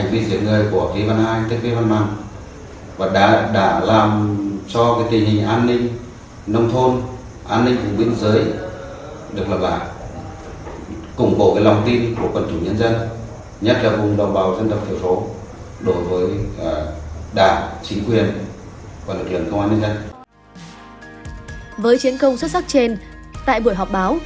với chiến công xuất sắc trên tại buổi họp báo